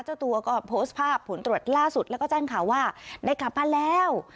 เจ้าตัวก็โพสต์ภาพผลตรวจล่าสุดแล้วก็แจ้งข่าวว่าได้กลับมาแล้ว